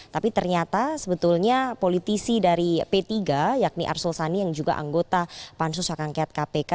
tapi ternyata sebetulnya politisi dari p tiga yakni arsul sani yang juga anggota pansus hak angket kpk